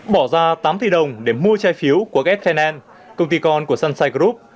bỏ ra tám tỷ đồng để mua trái phiếu của ks financial công ty con của sunshine group